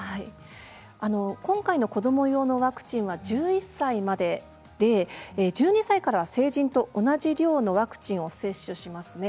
今回の子ども用のワクチンは１１歳までで１２歳からは成人と同じ量のワクチンを接種しますね。